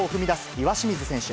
岩清水選手。